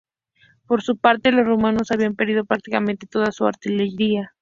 Por su parte, los rumanos habían perdido prácticamente toda su artillería.